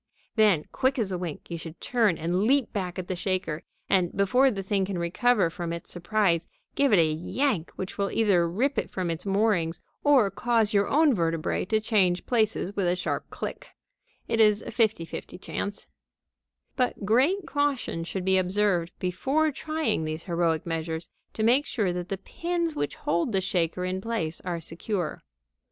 Then, quick as a wink, you should turn and leap back at the shaker, and, before the thing can recover from its surprise, give it a yank which will either rip it from its moorings or cause your own vertebræ to change places with a sharp click. It is a fifty fifty chance. [Illustration: "Quick as a wink you should turn and leap back at the shaker."] But great caution should be observed before trying these heroic measures to make sure that the pins which hold the shaker in place are secure.